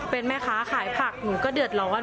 เป็นแม่ค้าขายผักหนูก็เดือดร้อน